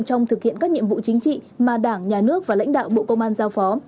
trong thực hiện các nhiệm vụ chính trị mà đảng nhà nước và lãnh đạo bộ công an giao phó